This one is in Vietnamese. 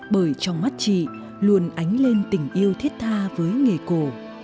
bởi trong mắt chị luôn ánh lên tình yêu thiết tha với nghề cổ